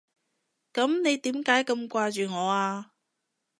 噉你點解咁掛住我啊？